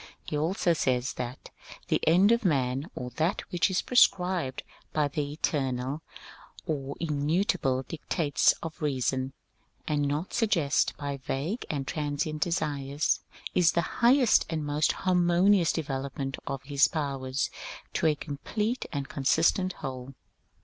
He also says that ^^ the end of man, or that which is prescribed by the eternal or immutable dictates of reason, and not sug eested by va^ue and transient desires, is the highest and most harmonious development of his powers to a complete and con sistent whole."